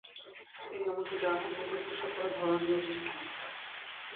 তিনি এমনকি জার্মান মেয়েদের পোশাক পরার ধরন নিয়েও অভিযোগ করেছেন।